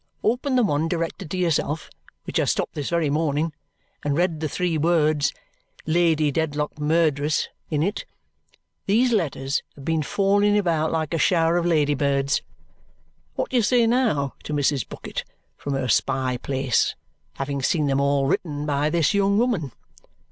Open the one directed to yourself, which I stopped this very morning, and read the three words 'Lady Dedlock, Murderess' in it. These letters have been falling about like a shower of lady birds. What do you say now to Mrs. Bucket, from her spy place having seen them all 'written by this young woman?